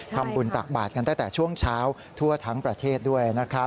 ทำบุญตักบาทกันตั้งแต่ช่วงเช้าทั่วทั้งประเทศด้วยนะครับ